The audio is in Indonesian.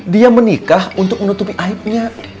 dia menikah untuk menutupi aibnya